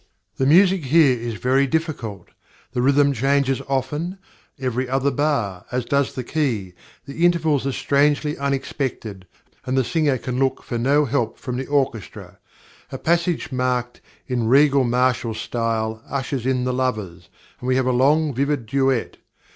The music here is very difficult; the rhythm changes often, every other bar, as does the key; the intervals are strangely unexpected, and the singer can look for no help from the orchestra. A passage marked "In regal martial style" ushers in the lovers, and we have a long vivid duet.